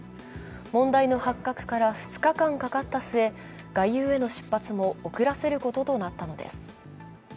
問題の発覚から２日間かかった末、外遊への出発も遅らせることとなったのです。